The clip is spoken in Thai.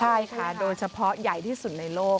ใช่ค่ะโดยเฉพาะใหญ่ที่สุดในโลก